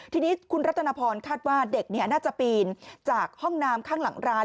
ทีนี้คุณรัตนพรคาดว่าเด็กน่าจะปีนจากห้องน้ำข้างหลังร้าน